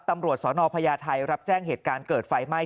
ตำรวจสนพญาไทยรับแจ้งเหตุการณ์เกิดไฟไหม้